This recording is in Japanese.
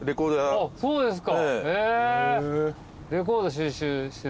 あそうですか。